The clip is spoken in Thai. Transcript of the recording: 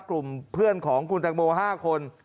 กลุ่มเพื่อนของคุณตังโม๕คน